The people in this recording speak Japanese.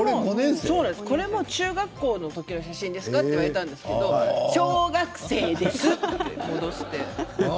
これも中学校の時の写真ですか？と言われたんですけど小学生ですって戻して。